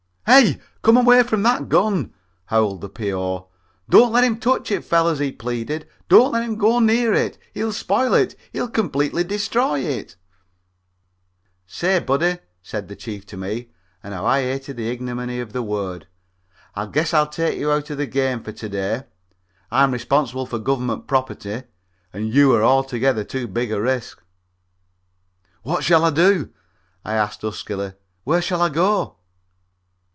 "Hey, come away from that gun!" howled the P.O. "Don't let him touch it, fellers," he pleaded. "Don't let him even go near it. He'll spoil it. He'll completely destroy it." "Say, Buddy," said the Chief to me, and how I hated the ignominy of the word, "I guess I'll take you out of the game for to day. I'm responsible for Government property, and you are altogether too big a risk." "What shall I do?" I asked, huskily. "Where shall I go?"